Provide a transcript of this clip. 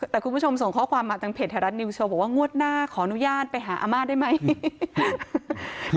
แต่คุณผู้ชมส่งข้อความมาทางเพจไทยรัฐนิวโชว์บอกว่างวดหน้าขออนุญาตไปหาอาม่าได้ไหม